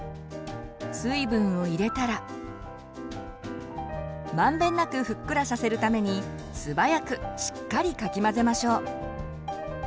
水分を入れたらまんべんなくふっくらさせるために素早くしっかりかき混ぜましょう。